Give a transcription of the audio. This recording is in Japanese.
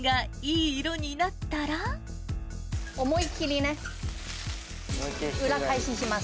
思い切りね、裏返しにします。